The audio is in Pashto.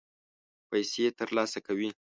پیسې ترلاسه کوي.